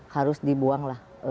harus dibuang lah